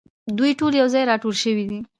دوی ټول یو ځای راټول شوي دي.